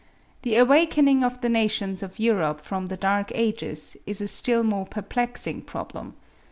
The awakening of the nations of Europe from the dark ages is a still more perplexing problem.